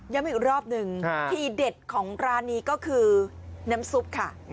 อีกรอบหนึ่งทีเด็ดของร้านนี้ก็คือน้ำซุปค่ะ